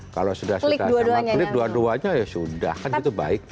kalau sudah sudah sama klip dua duanya ya sudah kan itu baik